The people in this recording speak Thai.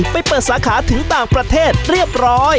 ไปเปิดสาขาถึงต่างประเทศเรียบร้อย